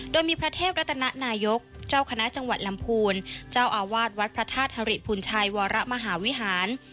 โดยมีพระเทพรัตนนายกเจ้าคณะจังหวัดลำพูนเจ้าอาวาสวัดพระธาตุธริพุนชัยวรมหาวิหาร